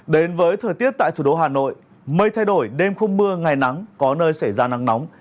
đến với thời tiết tại thủ đô hà nội mây thay đổi đêm không mưa ngày nắng có nơi xảy ra nắng nóng